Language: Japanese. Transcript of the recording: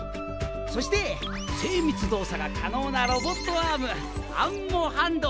そして精密動作が可能なロボットアームアンモハンド！